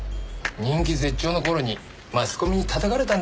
人気絶頂の頃にマスコミに叩かれたんだよ。